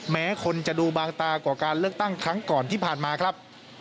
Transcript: แม้คนจะดูบางตากว่าการเลือกตั้งครั้งก่อนที่ผ่านมาครับ